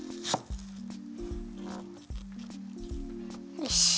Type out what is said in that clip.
よし。